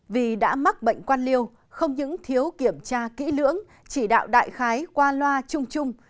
vì đã mắc bệnh quan liêu không những thiếu kiểm tra kỹ lưỡng chỉ đạo đại khái qua loa chung chung